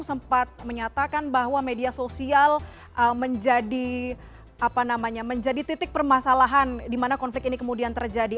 sempat menyatakan bahwa media sosial menjadi titik permasalahan di mana konflik ini kemudian terjadi